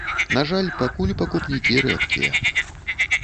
На жаль, пакуль пакупнікі рэдкія.